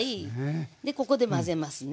ここで混ぜますね。